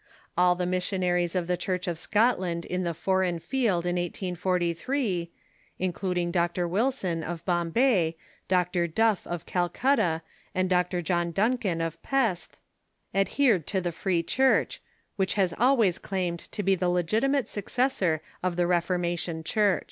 All the missionaries of the Church of Scotland in the foreign field in 1843 — including Dr. Wilson, of Bombay; Dr. Duff, of Calcutta; and Dr. Jolm Duncan, of Pesth — adhered to the Free Church, which has al ways claimed to be the legitimate successor of tlie lleforma tion Church.